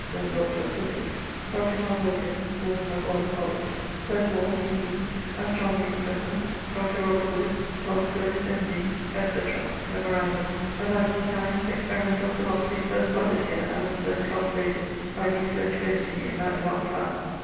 (then Dr. of Physique); Dr. John Wilkins (Warden of Wadham Coll.); Seth Ward, D.D., Astronom. Professor: Dr. Wood; Thomas Willis, M.D., &c. Memorandum: about these times experimentall philosophy first budded here and was first cultivated by these vertuosi in that darke time.